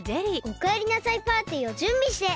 おかえりなさいパーティーをじゅんびして。